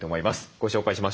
ご紹介しましょう。